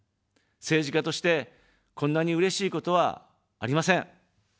政治家として、こんなにうれしいことはありません。